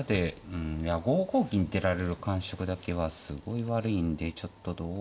うんいや５五銀出られる感触だけはすごい悪いんでちょっとどう。